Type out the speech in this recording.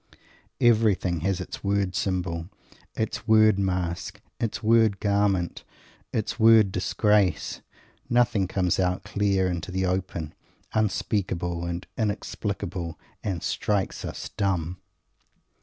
Everything has its word symbol, its word mask, its word garment, its word disgrace. Nothing comes out clear into the open, unspeakable and inexplicable, and strikes us dumb!